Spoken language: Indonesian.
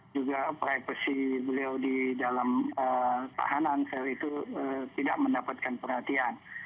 juga privasi beliau di dalam tahanan itu tidak mendapatkan perhatian